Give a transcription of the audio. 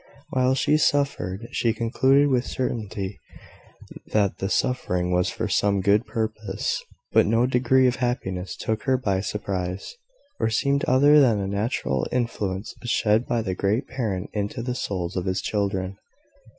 While she suffered, she concluded with certainty that the suffering was for some good purpose; but no degree of happiness took her by surprise, or seemed other than a natural influence shed by the great Parent into the souls of his children.